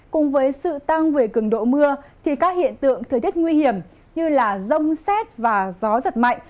cùng với sự tăng về cường độ mưa thì các hiện tượng thời tiết nguy hiểm như rông xét và gió giật mạnh